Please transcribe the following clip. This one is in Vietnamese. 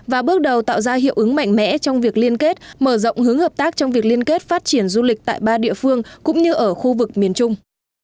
và bước đầu tạo ra hiệu ứng mạnh mẽ trong việc liên kết mở rộng hướng hợp tác trong việc liên kết phát triển du lịch tại ba địa phương cũng như ở khu vực miền trung